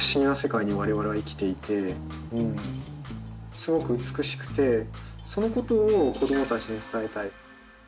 すごく美しくてそのことを子どもたちに伝えたい。